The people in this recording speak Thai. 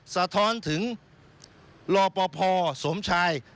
สะท้อนถึงรอปภสมชาย